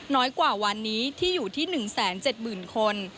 น้อยกว่าวันนี้ที่อยู่ที่๑แสน๗หมื่นคน